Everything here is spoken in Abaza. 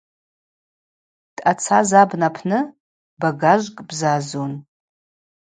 Дъацаз абна апны багажвкӏ бзазун.